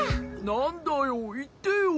なんだよいってよ。